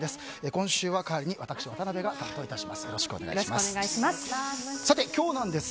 今週は代わりに私、渡辺が担当します